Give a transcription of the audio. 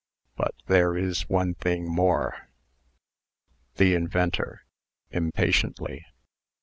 But there is one thing more!" THE INVENTOR (impatiently).